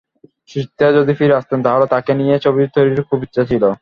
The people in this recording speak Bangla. সুচিত্রা যদি ফিরে আসতেন তাহলে তাঁকে নিয়ে ছবি তৈরির খুব ইচ্ছা ছিল।